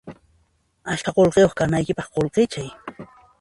Ashka qullqiyuq kanaykipaq qullqichay